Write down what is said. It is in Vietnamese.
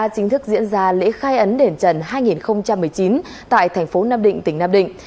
chính thức diễn ra lễ khai ấn đền trần hai nghìn một mươi chín tại thành phố nam định tỉnh nam định